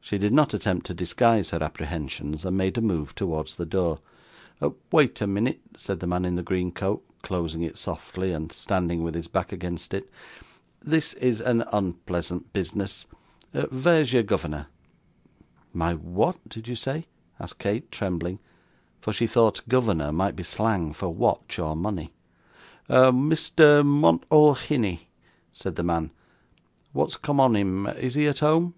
She did not attempt to disguise her apprehensions, and made a move towards the door. 'Wait a minnit,' said the man in the green coat, closing it softly, and standing with his back against it. 'This is a unpleasant bisness. Vere's your govvernor?' 'My what did you say?' asked Kate, trembling; for she thought 'governor' might be slang for watch or money. 'Mister Muntlehiney,' said the man. 'Wot's come on him? Is he at home?